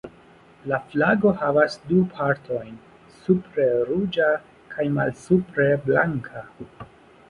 La flago havas du partojn, supre ruĝa kaj malsupre blanka.